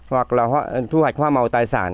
hoặc là thu hoạch hoa màu tài sản